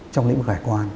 trong lĩnh vực hải quan